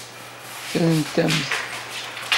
Ffren-am-t.